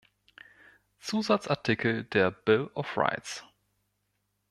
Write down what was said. Zusatzartikel der Bill of Rights.